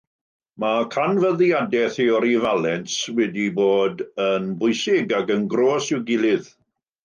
Mae canfyddiadau theori falens wedi bod yn bwysig ac yn groes i'w gilydd.